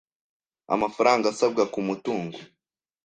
amafaranga asabwa ku mutungo